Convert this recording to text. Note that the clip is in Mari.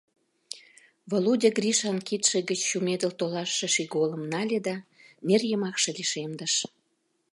— Володя Гришан кидше гыч чумедыл толашыше шийголым нале да нер йымакше лишемдыш.